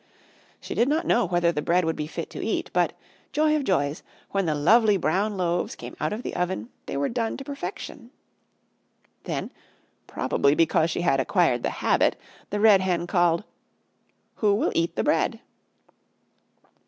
She did not know whether the bread would be fit to eat, but joy of joys! when the lovely brown loaves came out of the oven, they were done to perfection. Then, probably because she had acquired the habit, the Red Hen called: "Who will eat the Bread?"